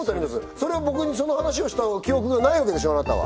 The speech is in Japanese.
それを僕にその話をしたの記憶がないわけでしょあなたは？